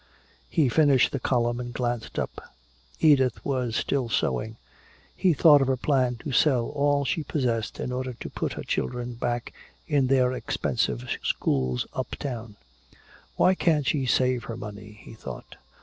He finished the column and glanced up. Edith was still sewing. He thought of her plan to sell all she possessed in order to put her children back in their expensive schools uptown. "Why can't she save her money?" he thought.